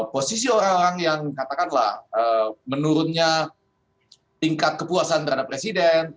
posisi orang orang yang katakanlah menurunnya tingkat kepuasan terhadap presiden